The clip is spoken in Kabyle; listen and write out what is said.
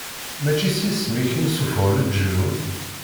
Mačči s yisem-ik i nessufuɣ leǧnun?